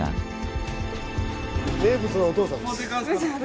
名物のおとうさんです。